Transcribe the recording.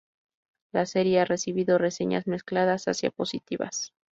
La serie ha recibido reseñas mezcladas hacia positivas.